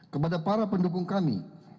kepada para pendukung kami